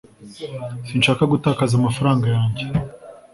Sinshaka gutakaza amafaranga yanjye